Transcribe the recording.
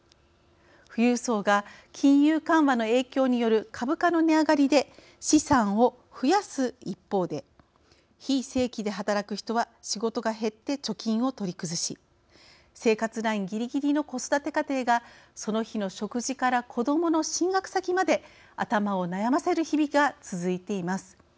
富裕層が金融緩和の影響による株価の値上がりで資産を増やす一方で非正規で働く人は仕事が減って貯金を取り崩し生活ラインぎりぎりの子育て家庭がその日の食事から子どもの進学先まで頭を悩ませる日々が続いています。